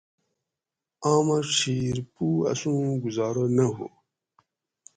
آمہ ڄھیر پُو اسوں گُزارہ نہ ہُو